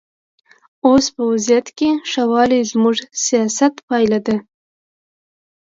اوس په وضعیت کې ښه والی زموږ سیاست پایله ده.